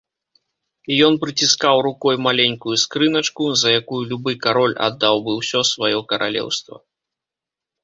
Ён прыціскаў рукой маленькую скрыначку, за якую любы кароль аддаў бы ўсё сваё каралеўства.